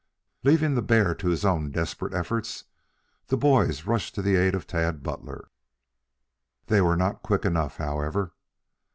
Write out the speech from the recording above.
Leaving the hear to his own desperate efforts, the boys rushed to the aid of Tad Butler. They were not quick enough, however.